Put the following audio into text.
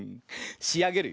しあげるよ。